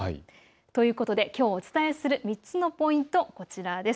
ということできょうお伝えする３つのポイント、こちらです。